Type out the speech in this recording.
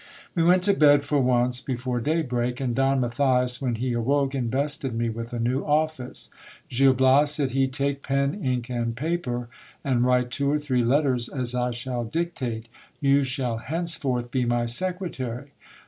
We went to bed for once before daybreak ; and Don Matthias, when he awoke, invested me with a new office. Gil Elas, said he, take pen, ink, and paper, and write two or three letters as I shall dictate : you shall henceforth be my secretary.